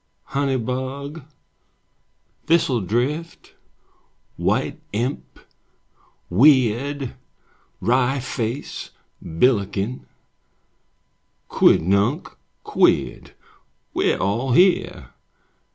Honey bug, Thistledrift, White imp, Weird, Wryface, Billiken, Quidnunc, Queered; We 're all here.